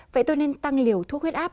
vậy tôi nên tăng liều thuốc khuyết áp